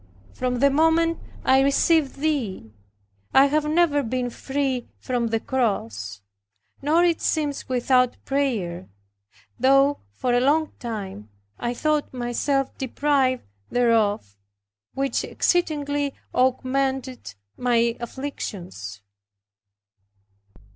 From the moment I received Thee I have never been free from the cross, nor it seems without prayer though for a long time I thought myself deprived thereof, which exceedingly augmented my afflictions.